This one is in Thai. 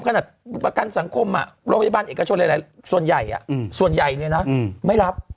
เพราะประกันสังคมส่วนใหญ่เลยนะไม่รับ